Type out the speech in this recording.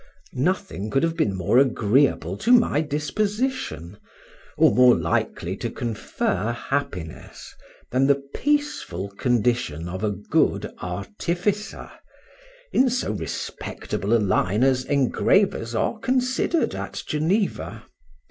Nothing could have been more agreeable to my disposition, or more likely to confer happiness, than the peaceful condition of a good artificer, in so respectable a line as engravers are considered at Geneva.